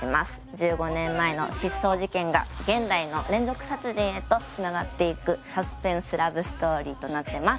１５年前の失踪事件が現代の連続殺人へとつながっていくサスペンスラブストーリーとなってます